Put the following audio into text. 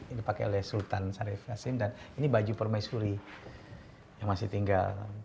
ini dipakai oleh sultan syarif yassin dan ini baju permaisuri yang masih tinggal